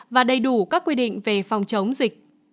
và đầy đủ các quy định về phòng chống dịch